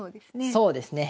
そうですね。